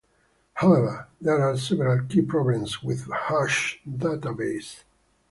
However, there are several key problems with hash databases.